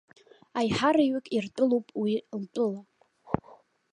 Аиҳараҩык иртәылоуп уи лтәыла.